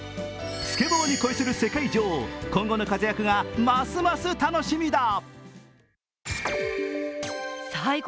スケボーに恋する世界女王今後の活躍がますます楽しみだ。